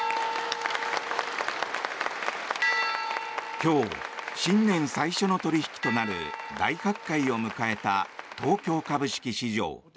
今日、新年最初の取引となる大発会を迎えた東京株式市場。